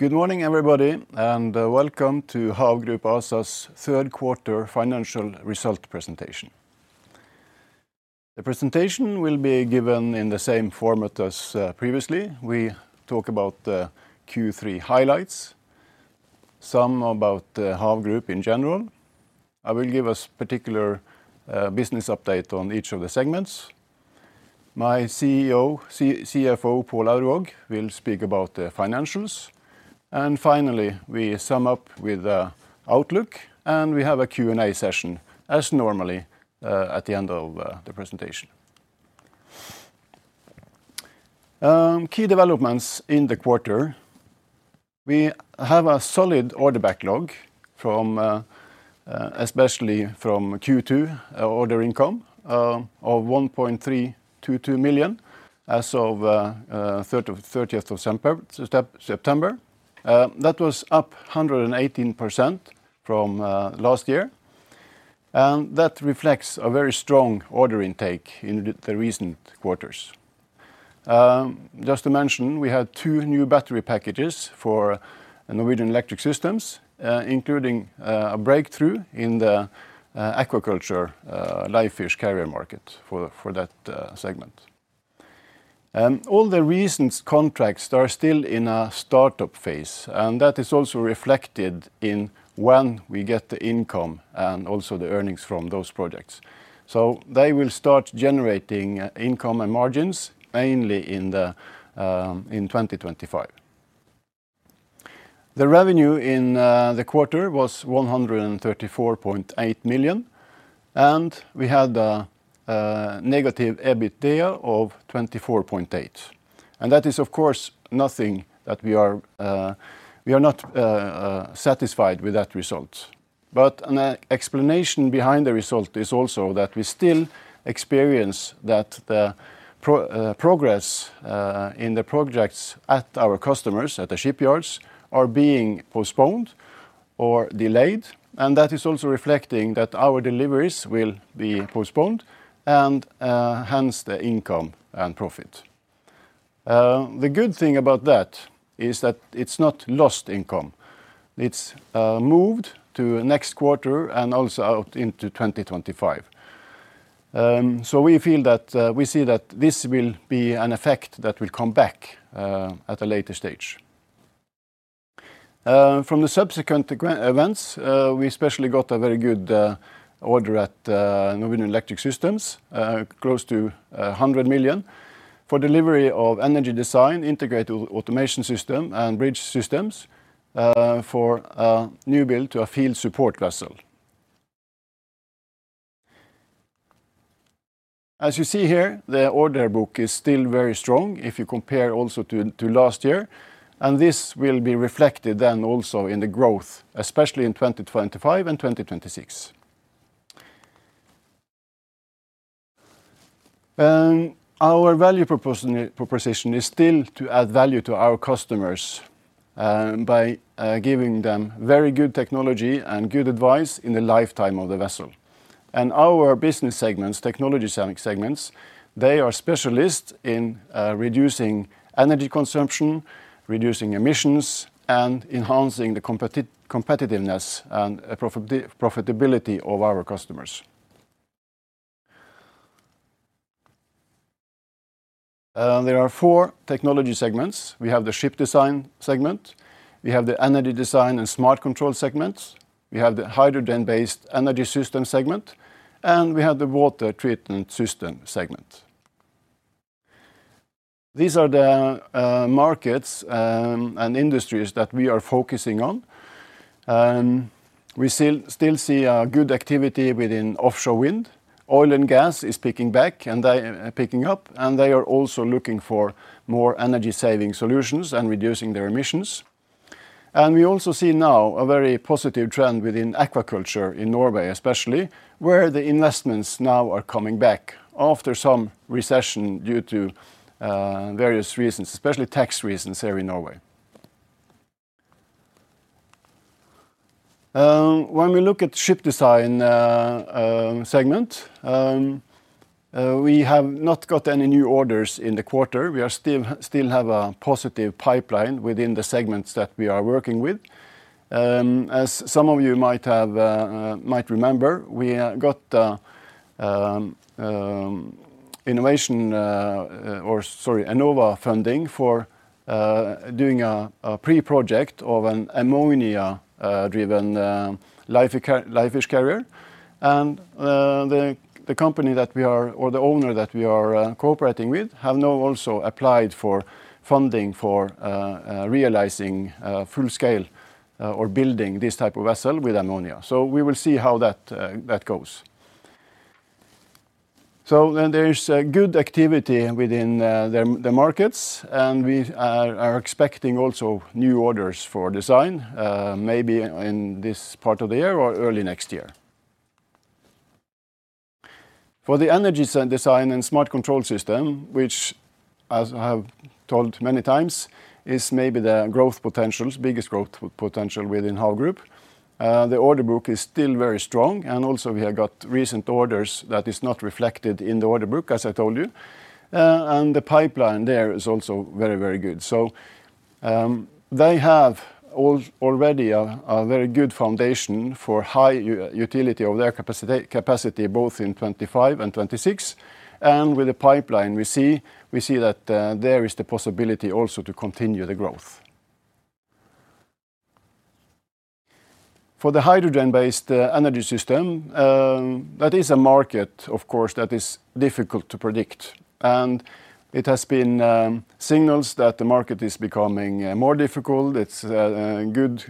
Good morning, everybody, and welcome to Hav Group ASA's third quarter financial result presentation. The presentation will be given in the same format as previously. We talk about the Q3 highlights, some about Hav Group in general. I will give a particular business update on each of the segments. Our CFO Pål Aurvåg will speak about the financials. And finally, we sum up with an outlook, and we have a Q&A session, as normally at the end of the presentation. Key developments in the quarter: we have a solid order backlog, especially from Q2, order income of 1.322 million as of 30 September. That was up 118% from last year, and that reflects a very strong order intake in the recent quarters. Just to mention, we had two new battery packages for Norwegian Electric Systems, including a breakthrough in the aquaculture live fish carrier market for that segment. All the recent contracts are still in a startup phase, and that is also reflected in when we get the income and also the earnings from those projects, so they will start generating income and margins mainly in 2025. The revenue in the quarter was 134.8 million, and we had a negative EBITDA of 24.8 million, and that is, of course, nothing that we are not satisfied with that result, but an explanation behind the result is also that we still experience that the progress in the projects at our customers, at the shipyards, are being postponed or delayed, and that is also reflecting that our deliveries will be postponed, and hence the income and profit. The good thing about that is that it's not lost income. It's moved to next quarter and also out into 2025. So we feel that we see that this will be an effect that will come back at a later stage. From the subsequent events, we especially got a very good order at Norwegian Electric Systems, close to 100 million, for delivery of energy design integrated automation system and bridge systems for a new build to a field support vessel. As you see here, the order book is still very strong if you compare also to last year, and this will be reflected then also in the growth, especially in 2025 and 2026. Our value proposition is still to add value to our customers by giving them very good technology and good advice in the lifetime of the vessel, and our business segments, technology segments, they are specialists in reducing energy consumption, reducing emissions, and enhancing the competitiveness and profitability of our customers. There are four technology segments. We have the ship design segment. We have the energy design and smart control segments. We have the hydrogen-based energy system segment, and we have the water treatment system segment. These are the markets and industries that we are focusing on. We still see good activity within offshore wind. Oil and gas is picking up, and they are also looking for more energy-saving solutions and reducing their emissions, and we also see now a very positive trend within aquaculture in Norway, especially where the investments now are coming back after some recession due to various reasons, especially tax reasons here in Norway. When we look at the ship design segment, we have not got any new orders in the quarter. We still have a positive pipeline within the segments that we are working with. As some of you might remember, we got innovation, or sorry, Enova funding for doing a pre-project of an ammonia-driven live fish carrier, and the company that we are, or the owner that we are cooperating with, have now also applied for funding for realizing full-scale or building this type of vessel with ammonia, so we will see how that goes, so then there's good activity within the markets, and we are expecting also new orders for design, maybe in this part of the year or early next year. For the energy design and smart control system, which, as I have told many times, is maybe the growth potential, biggest growth potential within Hav Group, the order book is still very strong, and also we have got recent orders that are not reflected in the order book, as I told you. The pipeline there is also very, very good. So they have already a very good foundation for high utility of their capacity, both in 2025 and 2026. With the pipeline, we see that there is the possibility also to continue the growth. For the hydrogen-based energy system, that is a market, of course, that is difficult to predict. There have been signals that the market is becoming more difficult. It's good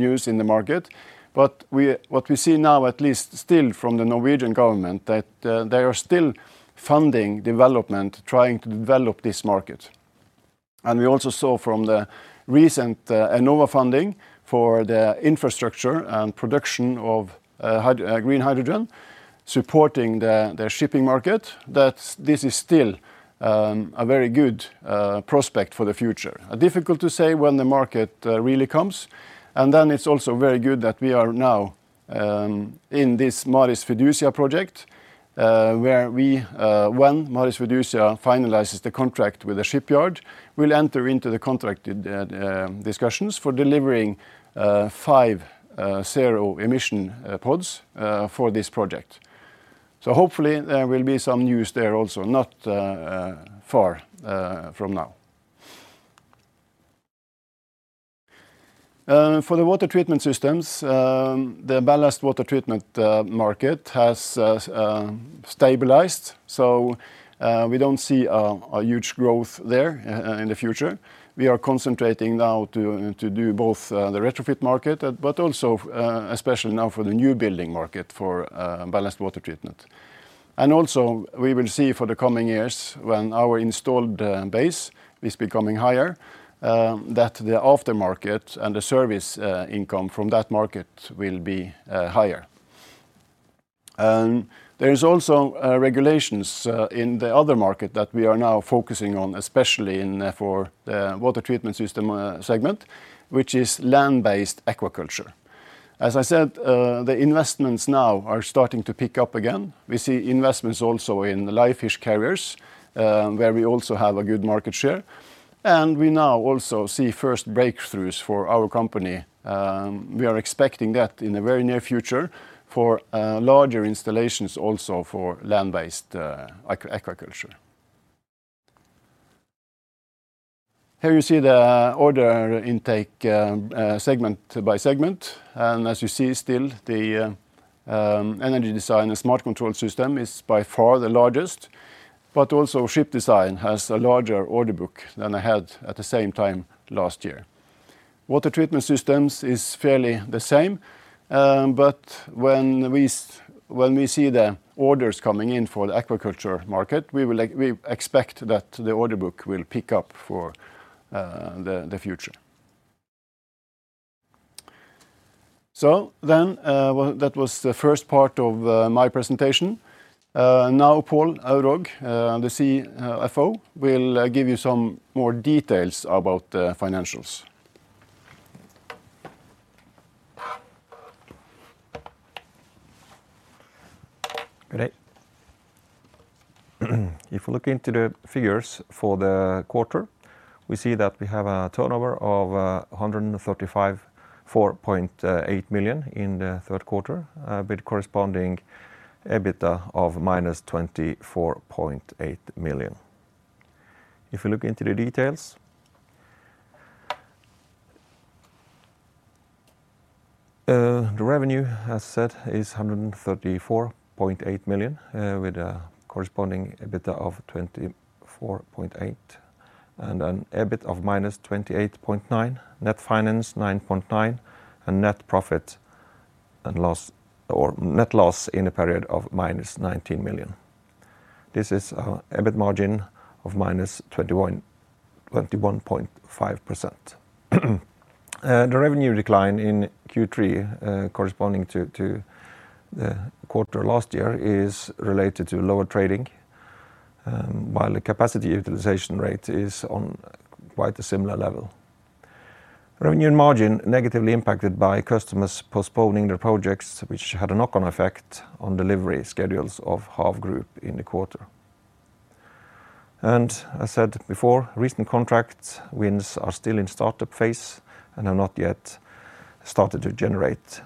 news in the market. But what we see now, at least still from the Norwegian government, that they are still funding development, trying to develop this market. We also saw from the recent Enova funding for the infrastructure and production of green hydrogen, supporting the shipping market, that this is still a very good prospect for the future. Difficult to say when the market really comes. Then it's also very good that we are now in this Maris Fiducia project, where we, when Maris Fiducia finalizes the contract with the shipyard, will enter into the contract discussions for delivering five zero-emission pods for this project. Hopefully there will be some news there also, not far from now. For the water treatment systems, the ballast water treatment market has stabilized, so we don't see a huge growth there in the future. We are concentrating now to do both the retrofit market, but also especially now for the new building market for ballast water treatment. Also we will see for the coming years when our installed base is becoming higher, that the aftermarket and the service income from that market will be higher. There are also regulations in the other market that we are now focusing on, especially for the water treatment system segment, which is land-based aquaculture. As I said, the investments now are starting to pick up again. We see investments also in live fish carriers, where we also have a good market share, and we now also see first breakthroughs for our company. We are expecting that in the very near future for larger installations also for land-based aquaculture. Here you see the order intake segment by segment, and as you see still, the energy design and smart control system is by far the largest, but also ship design has a larger order book than I had at the same time last year. Water treatment systems is fairly the same, but when we see the orders coming in for the aquaculture market, we expect that the order book will pick up for the future. So then that was the first part of my presentation. Now, Pål Aurvåg, the CFO, will give you some more details about the financials. Great. If we look into the figures for the quarter, we see that we have a turnover of 134.8 million in the third quarter, with corresponding EBITDA of minus 24.8 million. If we look into the details, the revenue, as I said, is 134.8 million, with a corresponding EBITDA of 24.8, and an EBIT of minus 28.9, net finance 9.9, and net profit and loss, or net loss in a period of minus 19 million. This is an EBIT margin of minus 21.5%. The revenue decline in Q3, corresponding to the quarter last year, is related to lower trading, while the capacity utilization rate is on quite a similar level. Revenue and margin negatively impacted by customers postponing their projects, which had a knock-on effect on delivery schedules of Hav Group in the quarter. As I said before, recent contract wins are still in startup phase and have not yet started to generate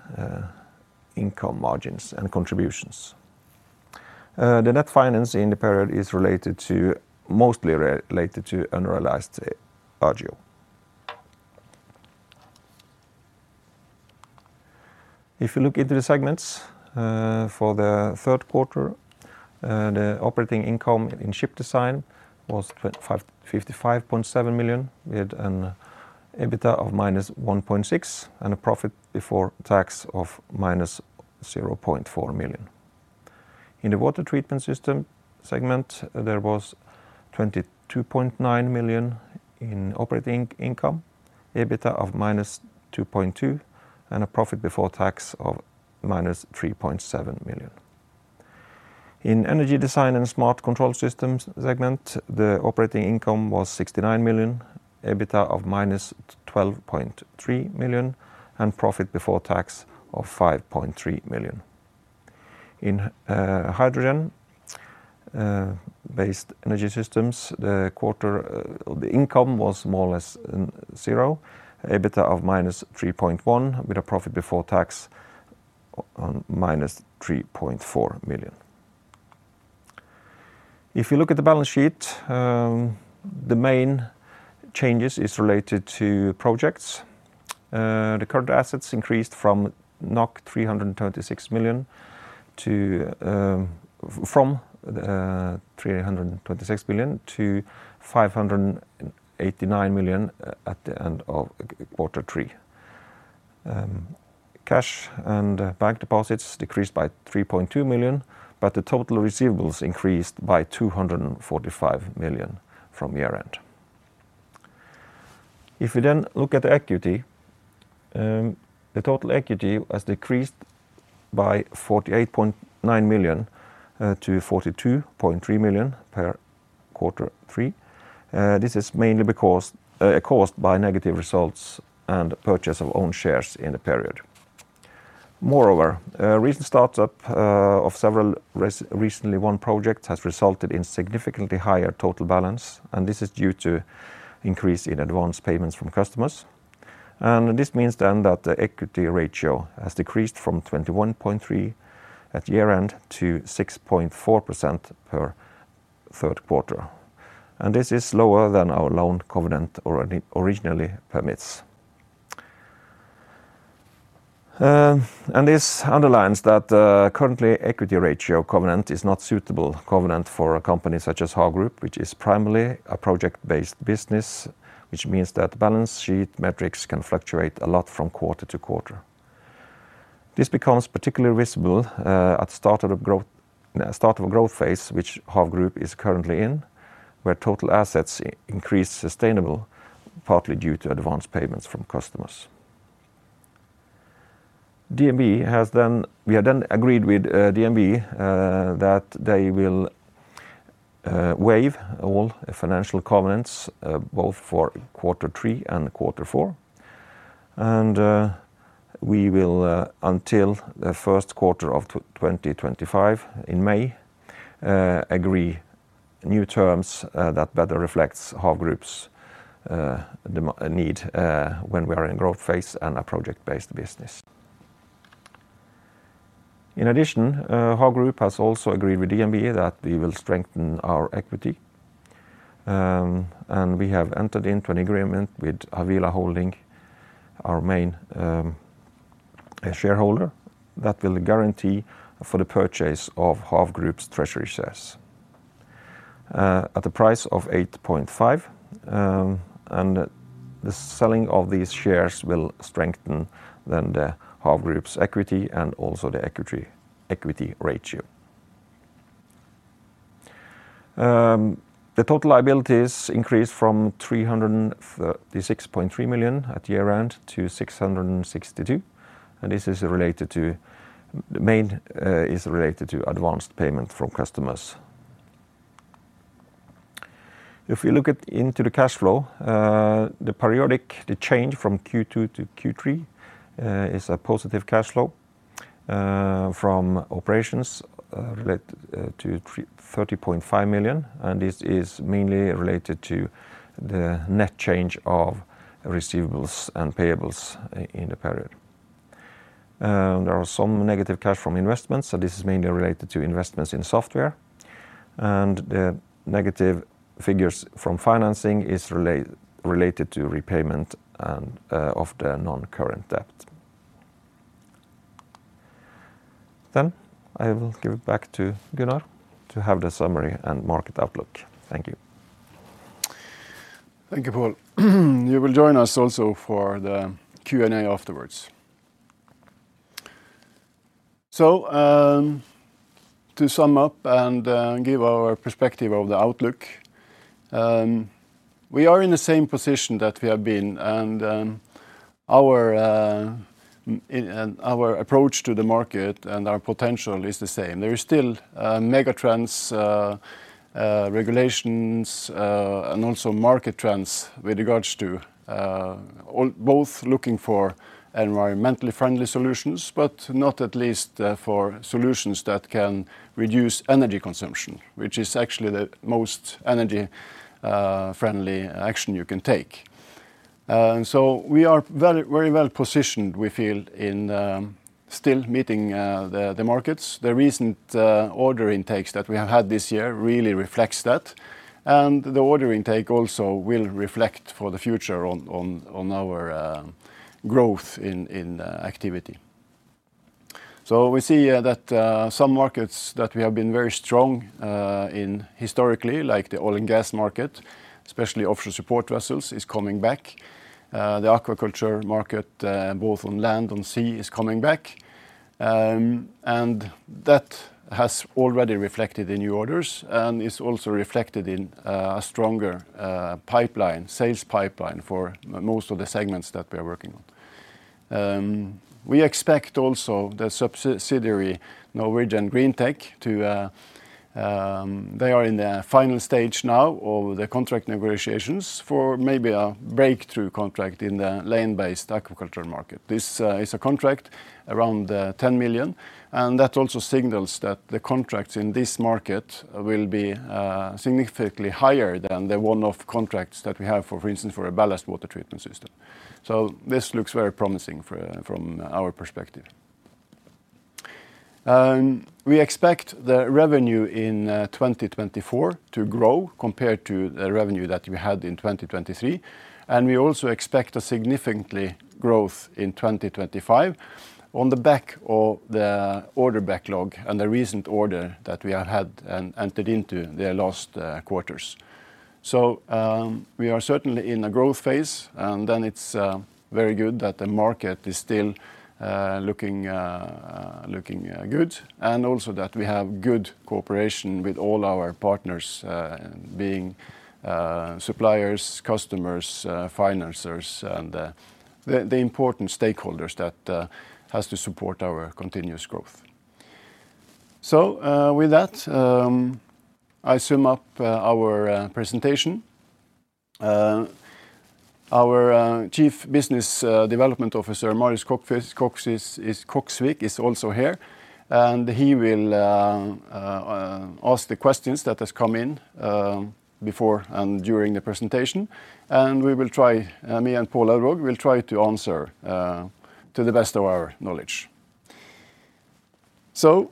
income margins and contributions. The net finance in the period is mostly related to unrealized. If you look into the segments for the third quarter, the operating income in ship design was 55.7 million, with an EBITDA of minus 1.6 million, and a profit before tax of minus 0.4 million. In the water treatment system segment, there was 22.9 million in operating income, EBITDA of minus 2.2 million, and a profit before tax of minus 3.7 million. In energy design and smart control systems segment, the operating income was 69 million, EBITDA of minus 12.3 million, and profit before tax of 5.3 million. In hydrogen-based energy systems, the operating income for the quarter was more or less zero, EBITDA of minus 3.1 million, with a profit before tax of minus 3.4 million. If you look at the balance sheet, the main changes are related to projects. The current assets increased from 326 million to 589 million at the end of quarter three. Cash and bank deposits decreased by 3.2 million, but the total receivables increased by 245 million from year-end. If we then look at the equity, the total equity has decreased by 48.9 million to 42.3 million per quarter three. This is mainly caused by negative results and purchase of own shares in the period. Moreover, recent startup of several recently won projects has resulted in significantly higher total balance, and this is due to increase in advance payments from customers. This means then that the equity ratio has decreased from 21.3% at year-end to 6.4% per third quarter. This is lower than our loan covenant originally permits. This underlines that currently equity ratio covenant is not suitable covenant for a company such as Hav Group, which is primarily a project-based business, which means that balance sheet metrics can fluctuate a lot from quarter to quarter. This becomes particularly visible at the start of a growth phase which Hav Group is currently in, where total assets increase sustainably, partly due to advance payments from customers. We have then agreed with DNB that they will waive all financial covenants both for quarter three and quarter four. We will, until the first quarter of 2025 in May, agree new terms that better reflect Hav Group's need when we are in growth phase and a project-based business. In addition, Hav Group has also agreed with DNB that we will strengthen our equity. And we have entered into an agreement with Havila Holding, our main shareholder, that will guarantee for the purchase of Hav Group's treasury shares at a price of 8.5. And the selling of these shares will strengthen then the Hav Group's equity and also the equity ratio. The total liabilities increased from 336.3 million at year-end to 662 million. And this is mainly related to advanced payment from customers. If we look into the cash flow, the periodic change from Q2 to Q3 is a positive cash flow from operations related to 30.5 million. And this is mainly related to the net change of receivables and payables in the period. There are some negative cash from investments, and this is mainly related to investments in software. And the negative figures from financing is related to repayment of the non-current debt. Then I will give it back to Gunnar to have the summary and market outlook. Thank you. Thank you, Pål. You will join us also for the Q&A afterwards, so to sum up and give our perspective of the outlook, we are in the same position that we have been, and our approach to the market and our potential is the same. There are still mega trends, regulations, and also market trends with regards to both looking for environmentally friendly solutions, but not least for solutions that can reduce energy consumption, which is actually the most energy-friendly action you can take. So we are very well positioned, we feel, in still meeting the markets. The recent order intakes that we have had this year really reflects that, and the order intake also will reflect for the future on our growth in activity. So we see that some markets that we have been very strong in historically, like the oil and gas market, especially offshore support vessels, is coming back. The aquaculture market, both on land and sea, is coming back. And that has already reflected in new orders and is also reflected in a stronger sales pipeline for most of the segments that we are working on. We expect also the subsidiary Norwegian Greentech to they are in the final stage now of the contract negotiations for maybe a breakthrough contract in the land-based aquaculture market. This is a contract around 10 million. And that also signals that the contracts in this market will be significantly higher than the one-off contracts that we have, for instance, for a ballast water treatment system. So this looks very promising from our perspective. We expect the revenue in 2024 to grow compared to the revenue that we had in 2023. And we also expect a significant growth in 2025 on the back of the order backlog and the recent order that we have had and entered into the last quarters. So we are certainly in a growth phase. And then it's very good that the market is still looking good and also that we have good cooperation with all our partners being suppliers, customers, financiers, and the important stakeholders that have to support our continuous growth. So with that, I sum up our presentation. Our Chief Business Development Officer, Marius Koksvik, is also here. And he will ask the questions that have come in before and during the presentation. And we will try, me and Pål Aurvåg, we'll try to answer to the best of our knowledge. So,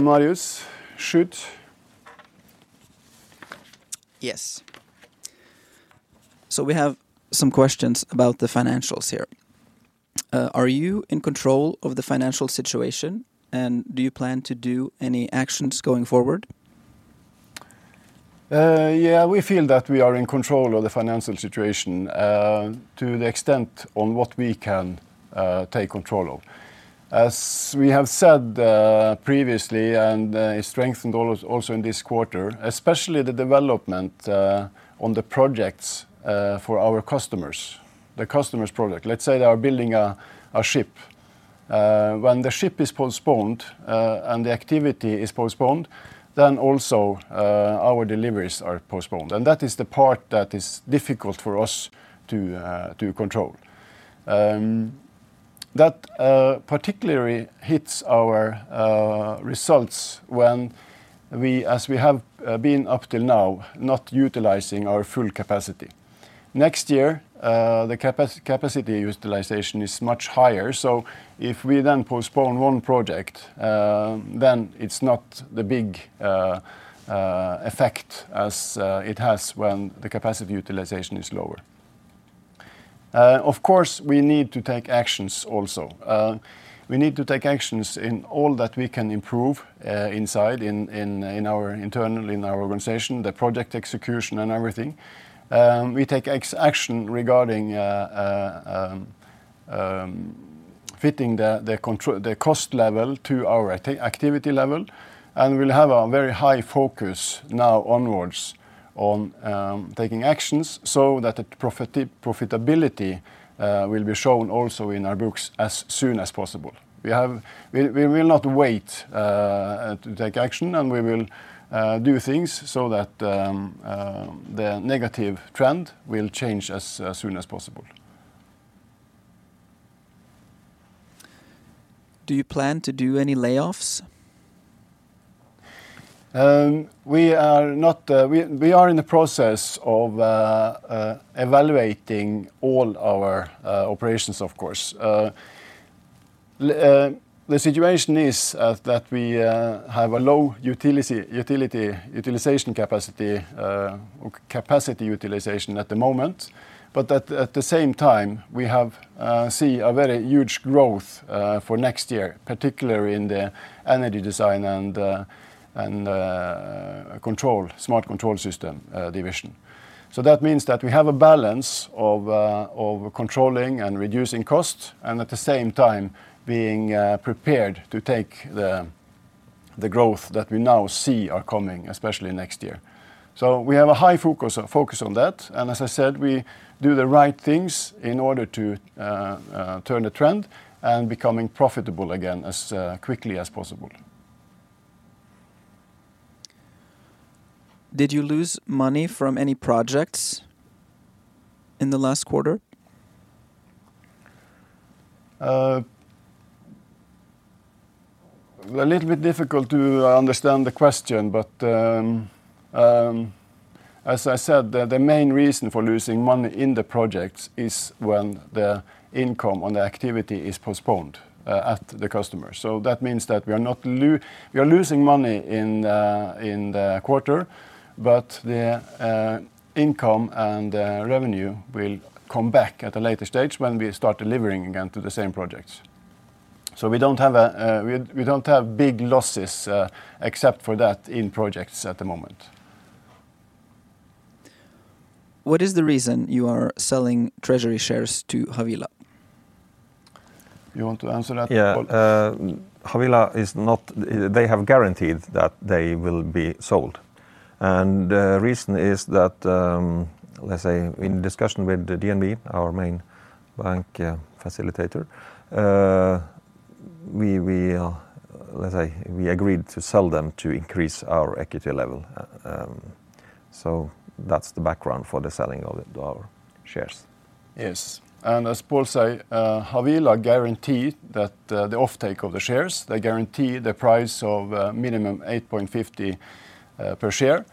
Marius, should? Yes. So we have some questions about the financials here. Are you in control of the financial situation, and do you plan to do any actions going forward? Yeah, we feel that we are in control of the financial situation to the extent on what we can take control of. As we have said previously, and it's strengthened also in this quarter, especially the development on the projects for our customers, the customers' project. Let's say they are building a ship. When the ship is postponed and the activity is postponed, then also our deliveries are postponed. And that is the part that is difficult for us to control. That particularly hits our results when we, as we have been up till now, not utilizing our full capacity. Next year, the capacity utilization is much higher. So if we then postpone one project, then it's not the big effect as it has when the capacity utilization is lower. Of course, we need to take actions also. We need to take actions in all that we can improve inside our internal organization, the project execution and everything. We take action regarding fitting the cost level to our activity level. We'll have a very high focus now onwards on taking actions so that the profitability will be shown also in our books as soon as possible. We will not wait to take action, and we will do things so that the negative trend will change as soon as possible. Do you plan to do any layoffs? We are in the process of evaluating all our operations, of course. The situation is that we have a low capacity utilization at the moment, but at the same time, we see a very huge growth for next year, particularly in the energy design and smart control system division. So that means that we have a balance of controlling and reducing costs and at the same time being prepared to take the growth that we now see are coming, especially next year. So we have a high focus on that, and as I said, we do the right things in order to turn the trend and becoming profitable again as quickly as possible. Did you lose money from any projects in the last quarter? A little bit difficult to understand the question, but as I said, the main reason for losing money in the projects is when the income on the activity is postponed at the customers. So that means that we are losing money in the quarter, but the income and revenue will come back at a later stage when we start delivering again to the same projects. So we don't have big losses except for that in projects at the moment. What is the reason you are selling treasury shares to Havila? You want to answer that? Yeah. Havila is not. They have guaranteed that they will be sold, and the reason is that, let's say, in discussion with DNB, our main bank facilitator, we agreed to sell them to increase our equity level, so that's the background for the selling of our shares. Yes, and as Pål said, Havila guaranteed the offtake of the shares. They guarantee the price of minimum 8.50 per share,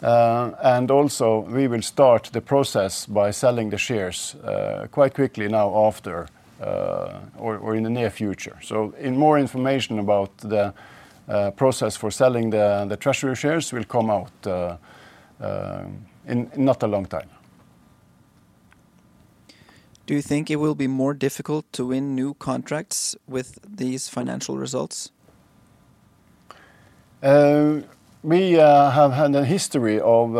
and also, we will start the process by selling the shares quite quickly now after or in the near future, so more information about the process for selling the treasury shares will come out in not a long time. Do you think it will be more difficult to win new contracts with these financial results? We have had a history of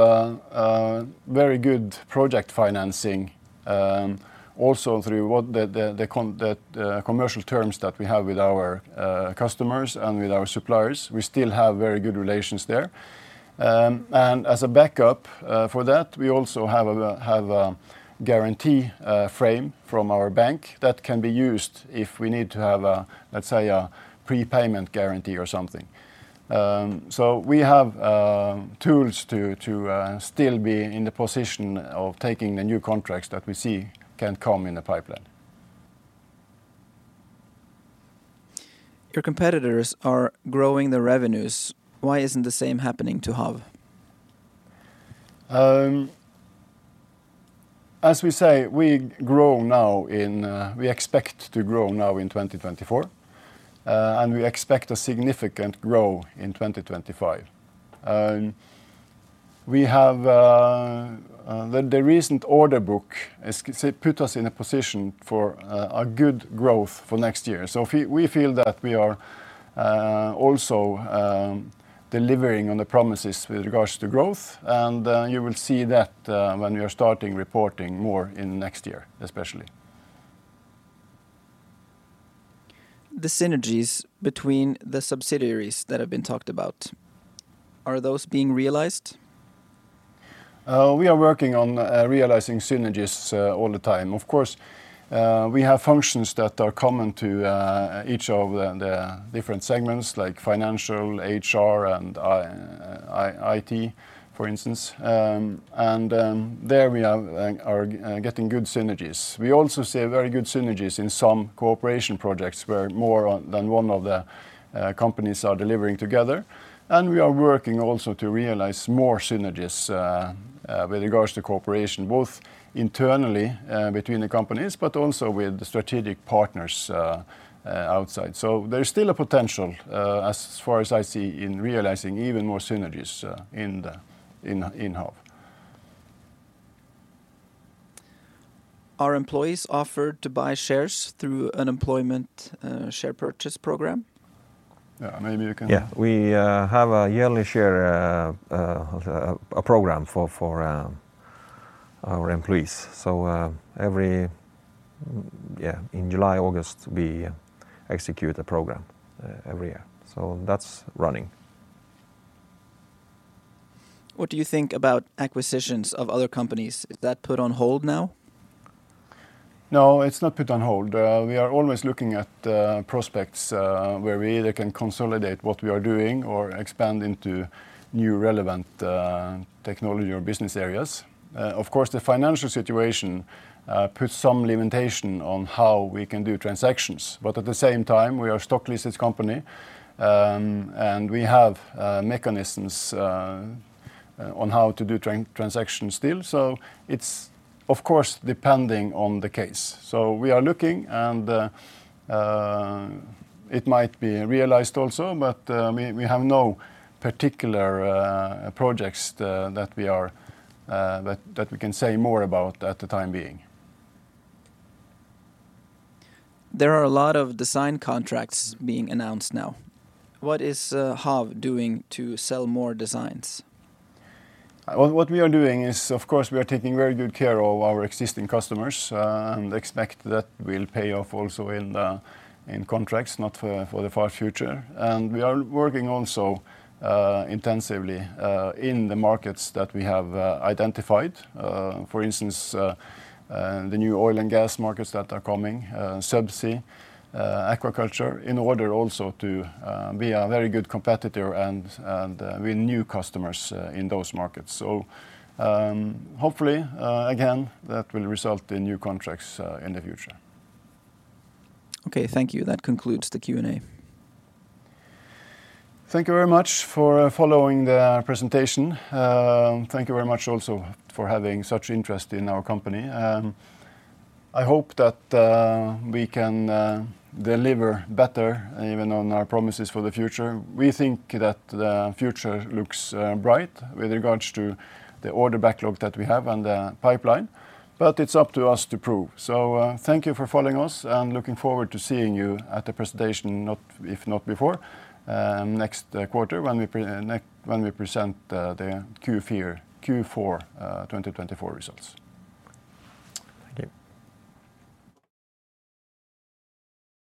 very good project financing also through the commercial terms that we have with our customers and with our suppliers. We still have very good relations there. And as a backup for that, we also have a guarantee frame from our bank that can be used if we need to have, let's say, a prepayment guarantee or something. So we have tools to still be in the position of taking the new contracts that we see can come in the pipeline. Your competitors are growing the revenues. Why isn't the same happening to Hav? As we say, we expect to grow now in 2024, and we expect a significant growth in 2025. The recent order book put us in a position for a good growth for next year, so we feel that we are also delivering on the promises with regards to growth. You will see that when we are starting reporting more in next year, especially. The synergies between the subsidiaries that have been talked about, are those being realized? We are working on realizing synergies all the time. Of course, we have functions that are common to each of the different segments, like financial, HR, and IT, for instance. And there we are getting good synergies. We also see very good synergies in some cooperation projects where more than one of the companies are delivering together. And we are working also to realize more synergies with regards to cooperation, both internally between the companies, but also with the strategic partners outside. So there's still a potential, as far as I see, in realizing even more synergies in Hav. Are employees offered to buy shares through an employment share purchase program? Yeah, maybe you can. Yeah. We have a yearly share program for our employees. So every year, in July, August, we execute a program every year. So that's running. What do you think about acquisitions of other companies? Is that put on hold now? No, it's not put on hold. We are always looking at prospects where we either can consolidate what we are doing or expand into new relevant technology or business areas. Of course, the financial situation puts some limitation on how we can do transactions. But at the same time, we are a stock-listed company. And we have mechanisms on how to do transactions still. So it's, of course, depending on the case. So we are looking, and it might be realized also, but we have no particular projects that we can say more about at the time being. There are a lot of design contracts being announced now. What is Hav doing to sell more designs? What we are doing is, of course, we are taking very good care of our existing customers and expect that will pay off also in contracts, not for the far future, and we are working also intensively in the markets that we have identified, for instance, the new oil and gas markets that are coming, subsea, aquaculture, in order also to be a very good competitor and win new customers in those markets, so hopefully, again, that will result in new contracts in the future. Okay, thank you. That concludes the Q&A. Thank you very much for following the presentation. Thank you very much also for having such interest in our company. I hope that we can deliver better even on our promises for the future. We think that the future looks bright with regards to the order backlog that we have and the pipeline. But it's up to us to prove. So thank you for following us and looking forward to seeing you at the presentation, if not before, next quarter when we present the Q4 2024 results. Thank you.